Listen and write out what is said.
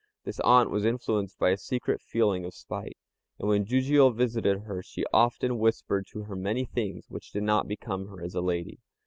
This aunt was influenced by a secret feeling of spite, and when Jijiû visited her she often whispered to her many things which did not become her as a lady.